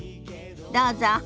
どうぞ。